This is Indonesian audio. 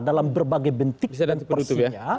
dalam berbagai bentik dan prinsipnya